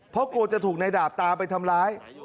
เพราะโกรธจะถูกนายดาบตามไปทำร้าย